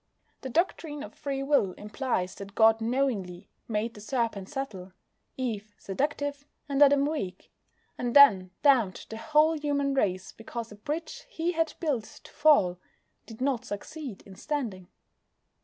The doctrine of Free Will implies that God knowingly made the Serpent subtle, Eve seductive, and Adam weak, and then damned the whole human race because a bridge He had built to fall did not succeed in standing.